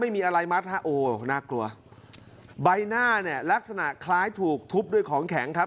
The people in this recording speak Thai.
ไม่มีอะไรมัดฮะโอ้น่ากลัวใบหน้าเนี่ยลักษณะคล้ายถูกทุบด้วยของแข็งครับ